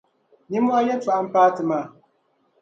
Nimohi Yɛltɔɣa m-paai ti maa.